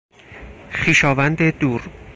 خویشاوند دور